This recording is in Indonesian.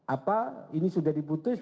apa ini sudah diputus